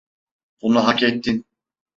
Bunu hakettin.